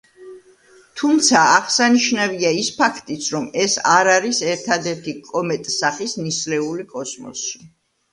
თუმცა აღსანიშნავია ის ფაქტიც, რომ ეს არ არის ერთადერთი „კომეტსახის ნისლეული“ კოსმოსში.